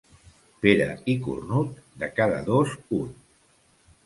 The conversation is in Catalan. Pere i cornut, de cada dos un.